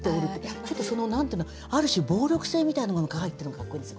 ちょっとある種暴力性みたいなものが入ってるのがかっこいいんですよ